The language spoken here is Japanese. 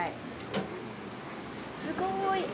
すごい。